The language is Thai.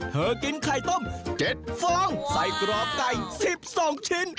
กินไข่ต้ม๗ฟองใส่กรอบไก่๑๒ชิ้น